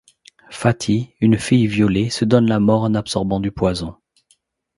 Fati, une fille violée, se donne la mort en absorbant du poison.